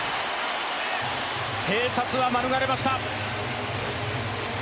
併殺は免れました。